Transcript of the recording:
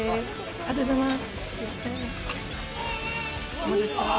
ありがとうございます。